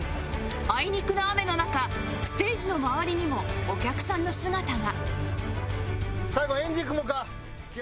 あいにくの雨の中ステージの周りにもお客さんの姿が